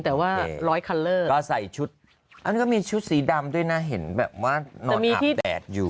แต่ว่าร้อยคันเลอร์ก็ใส่ชุดอันนั้นก็มีชุดสีดำด้วยนะเห็นแบบว่านอนอาบแดดอยู่